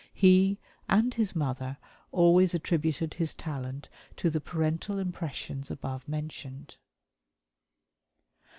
He, and his mother, always attributed his talent to the parental impressions above mentioned.